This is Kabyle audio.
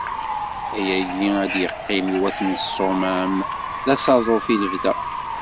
Ayagi ad d-iqqim i wat n Ṣṣumam d asaḍuf i lebda.